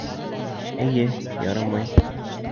Эйе, ярамай.